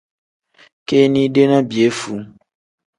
Kinide ni piyefuu.